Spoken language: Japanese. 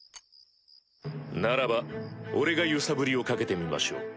ならば俺が揺さぶりをかけてみましょう。